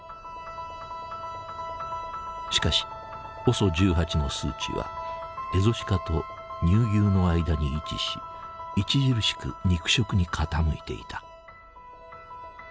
しかしＯＳＯ１８の数値はエゾシカと乳牛の間に位置し著しく肉食に傾いていた。